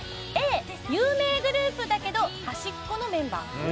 Ａ、有名グループだけど端っこのメンバー。